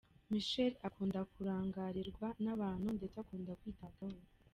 Michelle akunda kurangarirwa n’abantu ndetse akunda kwitabwaho.